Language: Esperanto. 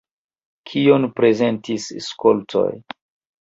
Kion prezentis skoltoj?